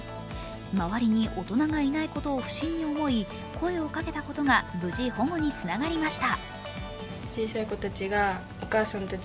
周りに大人がいないことを不審に思い声をかけたことが無事保護につながりました。